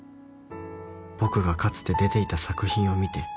「僕がかつて出ていた作品を見て」